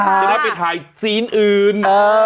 จะได้ไปถ่ายซีนอื่น